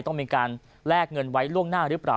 ต้องมีการแลกเงินไว้ล่วงหน้าหรือเปล่า